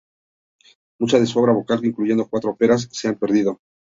Mucha de su obra vocal, incluyendo cuatro óperas, se ha perdido.